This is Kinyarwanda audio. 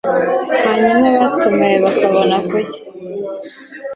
hanyuma abatumiwe bakabona kurya